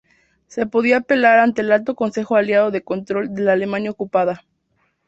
Se podía apelar ante el Alto Consejo Aliado de Control de la Alemania ocupada.